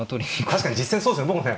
確かに実戦そうですよね。